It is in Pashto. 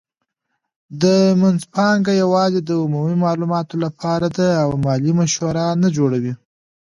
دا مینځپانګه یوازې د عمومي معلوماتو لپاره ده او مالي مشوره نه جوړوي.